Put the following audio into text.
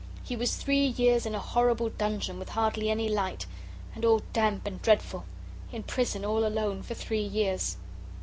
He was three years in a horrible dungeon, with hardly any light, and all damp and dreadful. In prison all alone for three years."